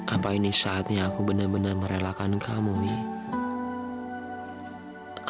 apa ini saatnya aku benar benar merelakan kamu nih